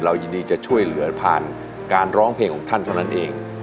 ยินดีจะช่วยเหลือผ่านการร้องเพลงของท่านเท่านั้นเอง